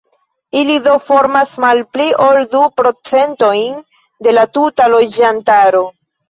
Ili do formas malpli ol du procentojn de la tuta loĝantaro.